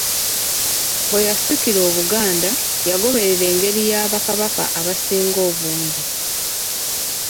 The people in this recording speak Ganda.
Bwe yasikira Obuganda yagoberera engeri ya Bakabaka abasinga obungi.